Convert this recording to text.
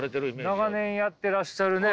長年やってらっしゃるね